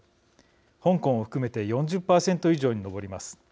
香港を含めて４０％以上に上ります。